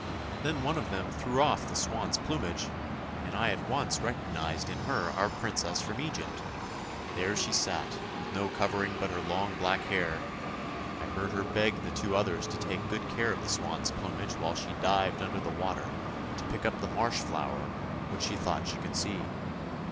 Then one of them threw off the swan's plumage, and I at once recognised in her our Princess from Egypt. There she sat with no covering but her long black hair; I heard her beg the two others to take good care of the swan's plumage while she dived under the water to pick up the marsh flower which she thought she could see.